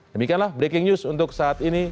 demikianlah breaking news untuk saat ini